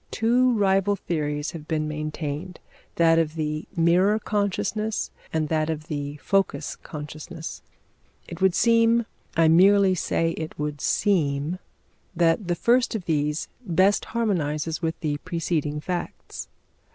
Two rival theories have been maintained: that of the mirror consciousness and that of the focus consciousness. It would seem I merely say it would seem that the first of these best harmonises with the preceding facts.